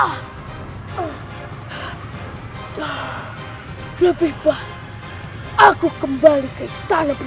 hanya untuk membuatku terhampir